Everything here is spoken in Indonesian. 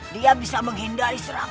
dia bisa menghindari seranganmu